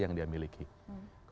yang diberikan oleh masyarakat